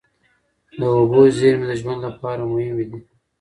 د اوبو زېرمې د ژوند لپاره مهمې دي.